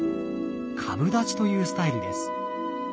株立ちというスタイルです。